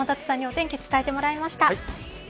天達さんにお天気伝えてもらいました。